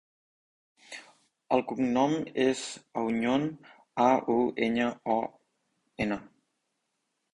El cognom és Auñon: a, u, enya, o, ena.